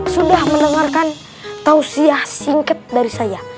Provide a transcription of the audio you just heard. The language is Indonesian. sudah mendengarkan tausiah singkat dari saya